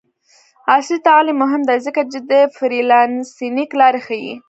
عصري تعلیم مهم دی ځکه چې د فریلانسینګ لارې ښيي.